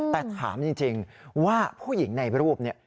แต่ถามจริงว่าผู้หญิงในรูปนี้